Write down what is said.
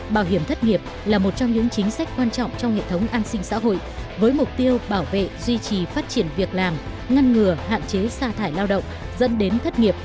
bảo hiểm thất nghiệp là một trong những chính sách quan trọng trong hệ thống an toàn